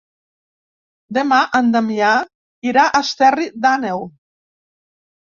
Demà en Damià irà a Esterri d'Àneu.